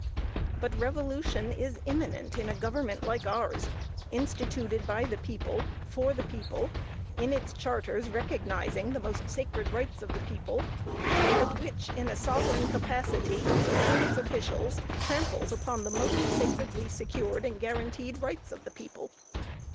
But revolution is imminent in a government like ours, instituted by the people, for the people, in its charters recognizing the most sacred rights of the people, but which, in a sovereign capacity, through its officials, tramples upon the most sacredly secured and guaranteed rights of the people.